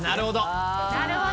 なるほど！